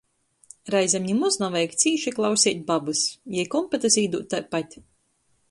Reizem nimoz navajag cīši klauseit babys — jei kompetys īdūd taipat.